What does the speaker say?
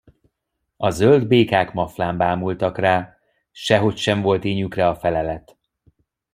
A zöld békák maflán bámultak rá, sehogy sem volt ínyükre a felelet.